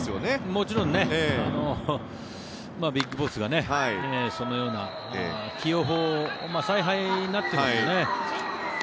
もちろんＢＩＧＢＯＳＳがそのような起用法采配になってますよね。